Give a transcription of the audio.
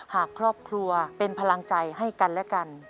หากครอบครัวเป็นพลังใจให้กันและกัน